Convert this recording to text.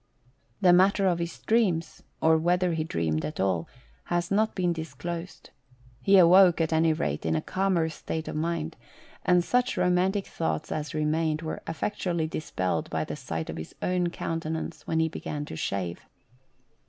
The matter of his dreams, or whether he dreamed at all, has not been disclosed. He awoke, at any rate, in a calmer state of mind, LUBEIETTA. and such romantic thoughts as remained were effectually dispelled by the sight of his own countenance when he began to shave.